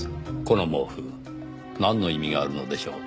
この毛布なんの意味があるのでしょう？